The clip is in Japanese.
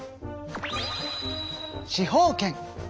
司法権。